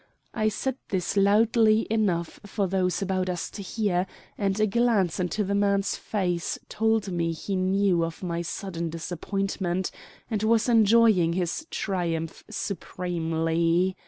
I said this loudly enough for those about us to hear, and a glance into the man's face told me that he knew of my sudden disappointment, and was enjoying his triumph supremely.